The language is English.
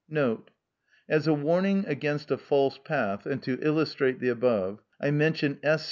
Note.—As a warning against a false path and to illustrate the above, I mention S.